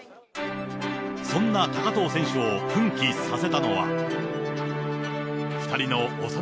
そんな高藤選手を奮起させたのは。